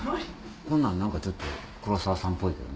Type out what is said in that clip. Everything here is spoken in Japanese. こんなん何かちょっと黒沢さんっぽいけどな。